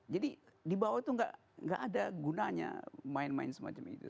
jadi di bawah itu nggak ada gunanya main main semacam itu